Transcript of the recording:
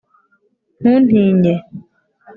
ntuntinye